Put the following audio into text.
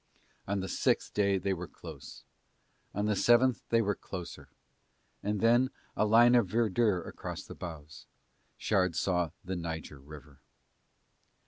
On the sixth day they were close. On the seventh they were closer. And then, a line of verdure across their bows, Shard saw the Niger River.